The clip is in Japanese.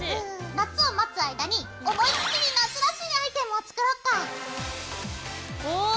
夏を待つ間に思いっきり夏らしいアイテムを作ろっか！おかわいい！